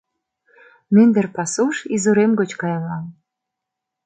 Мӱндыр пасуш изурем гоч кайыман.